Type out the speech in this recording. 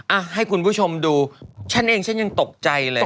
อ่ะให้คุณผู้ชมดูฉันเองฉันยังตกใจเลย